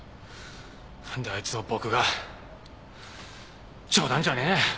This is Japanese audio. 何であいつを僕が冗談じゃねえ。